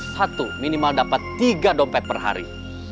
satu minimal dapat tiga dompet per hari